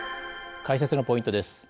解説のポイントです。